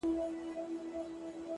o زړگى مي غواړي چي دي خپل كړمه زه،